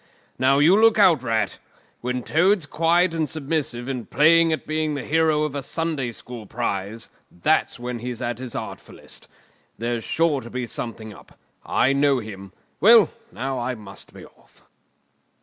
Now, you look out, Rat! When Toad's quiet and submissive and playing at being the hero of a Sunday school prize, then he's at his artfullest. There's sure to be something up. I know him. Well, now, I must be off."